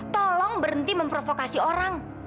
tolong berhenti memprovokasi orang